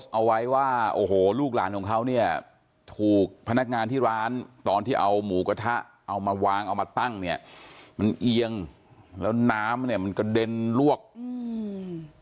เอาไว้ว่าโอ้โหลูกหลานของเขาเนี่ยถูกพนักงานที่ร้านตอนที่เอาหมูกระทะเอามาวางเอามาตั้งเนี่ยมันเอียงแล้วน้ำเนี้ยมันกระเด็นลวกอืม